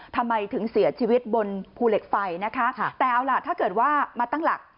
ทำไมถึงเสียชีวิตบนภูเหล็กไฟนะคะแต่เอาล่ะถ้าเกิดว่ามาตั้งหลัก